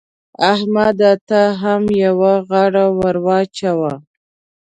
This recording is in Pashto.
احمده! ته هم يوه غاړه ور واچوه.